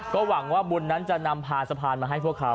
ก็หวังว่าบุญนั้นจะนำพาสะพานมาให้พวกเขา